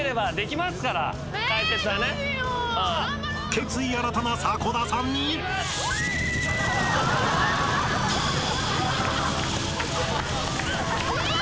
［決意新たな迫田さんに］いや！